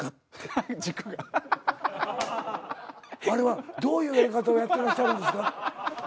「あれはどういうやり方をやってらっしゃるんですか？」。